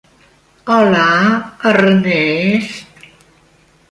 Hola, Ernest!